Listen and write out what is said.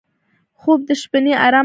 خوب د شپهني ارام نښه ده